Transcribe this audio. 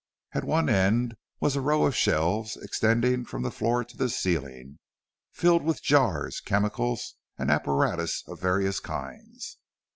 At one end was a row of shelves extending from the floor to the ceiling, filled with jars, chemicals, and apparatus of various kinds.